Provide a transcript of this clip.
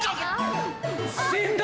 死んだ！